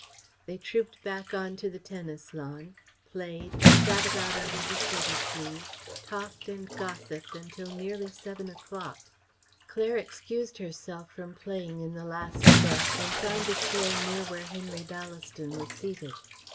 They trooped back on to the tennis lawn, played, sat about under the cedar trees, talked and gossiped until nearly seven o'clock. Claire excused herself from playing in the last set and found a chair near where Henry Ballaston was seated.